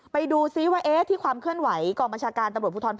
ไปดูซิว่าความเคลื่อนไหวกรรมชากาศตรกภพภูทธรรพ